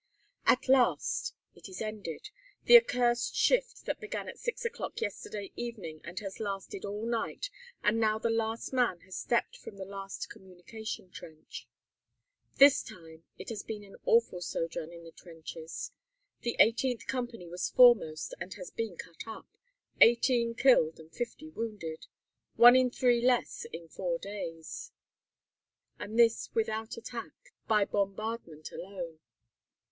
At last! It is ended, the accursed shift that began at six o'clock yesterday evening and has lasted all night, and now the last man has stepped from the last communication trench. This time it has been an awful sojourn in the trenches. The 18th company was foremost and has been cut up, eighteen killed and fifty wounded one in three less in four days. And this without attack by bombardment alone.